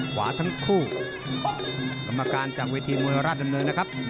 ขวาทั้งคู่กรรมการจากเวทีมวยราชดำเนินนะครับ